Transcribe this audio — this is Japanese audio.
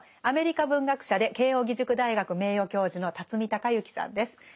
アメリカ文学者で慶應義塾大学名誉教授の孝之さんです。